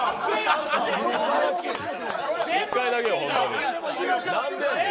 １回だけよ、本当に。